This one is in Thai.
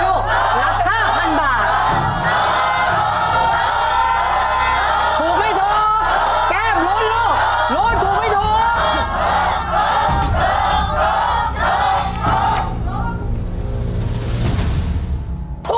ลุ้นถูกหรือถูก